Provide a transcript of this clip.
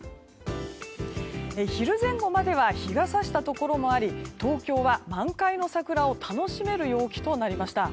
昼前後までは日が差したところもあり東京は満開の桜を楽しめる陽気となりました。